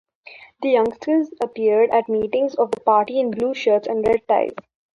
The youngsters appeared at meetings of the party in blue shirts and red ties.